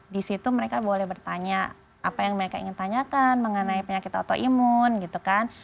di situ mereka boleh bertanya apa yang mereka ingin tanyakan mengenai penyakit autoimun gitu kan